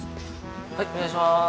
はいお願いしまーす。